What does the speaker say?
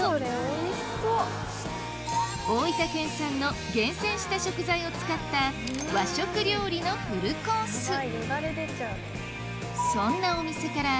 大分県産の厳選した食材を使った和食料理のフルコースよだれ出ちゃう。